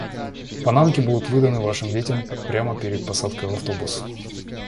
Панамки будут выданы вашим детям прямо перед посадкой в автобус.